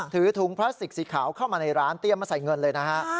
ถือถุงพลาสติกสีขาวเข้ามาในร้านเตรียมมาใส่เงินเลยนะฮะ